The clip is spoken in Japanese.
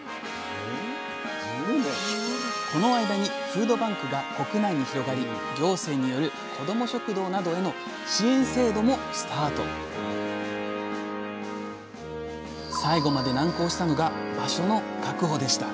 この間にフードバンクが国内に広がり行政による子ども食堂などへの支援制度もスタート最後まで難航したのが場所の確保でした。